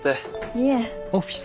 いえ。